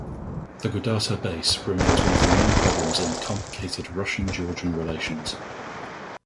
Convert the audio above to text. The Gudauta base remains one of the main problems in complicated Russian-Georgian relations.